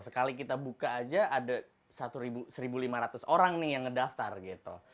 sekali kita buka aja ada satu lima ratus orang nih yang ngedaftar gitu